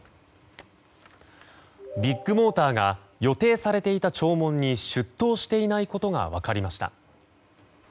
ビッグモーターが予定されていた聴聞に出頭していないことが分かりました。